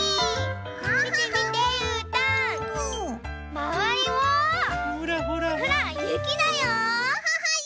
まわりもほらゆきだよ！